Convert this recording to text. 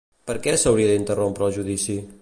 Per què s'hauria d'interrompre el judici?